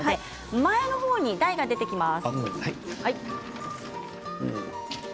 前の方に台が出てきます。